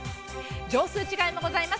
畳数違いもございます。